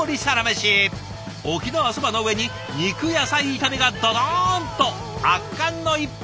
沖縄そばの上に肉野菜炒めがドドーンと圧巻の一杯。